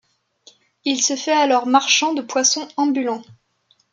Il se fait alors marchand de poissons ambulant.